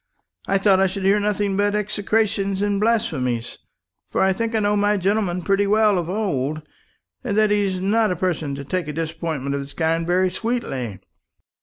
I thought I should hear nothing but execrations and blasphemies; for I think I know my gentleman pretty well of old, and that he's not a person to take a disappointment of this kind very sweetly.